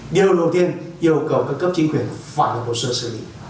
điều đầu tiên yêu cầu các cấp chính quyền phải là bổ sơ xử lý